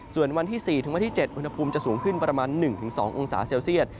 ส่วนวันที่๔๗อุณหภูมิจะสูงขึ้นประมาณ๑๒องศาเซียด